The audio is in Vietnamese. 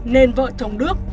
nên vợ thống đức